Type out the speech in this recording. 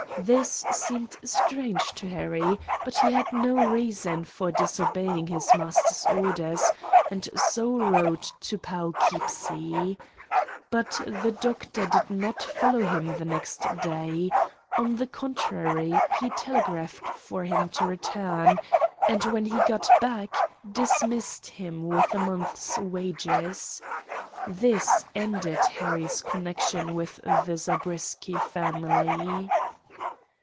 This seemed strange to Harry, but he had no reasons for disobeying his master's orders, and so rode to Poughkeepsie. But the Doctor did not follow him the next day; on the contrary he telegraphed for him to return, and when he got back dismissed him with a month's wages. This ended Harry's connection with the Zabriskie family.